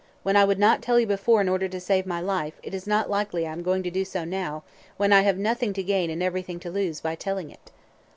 When I would not tell you before, in order to save my life, it is not likely I am going to do so now, when I have nothing to gain and everything to lose by telling it."